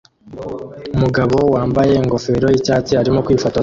Umugabo wambaye ingofero yicyatsi arimo kwifotoza